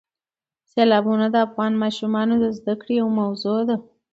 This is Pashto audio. سیلابونه د افغان ماشومانو د زده کړې یوه موضوع ده.